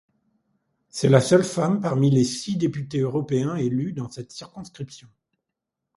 C'est la seule femme parmi les six députés européens élus dans cette circonscription.